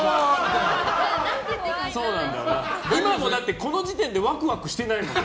今もだってこの時点でワクワクしてないもん。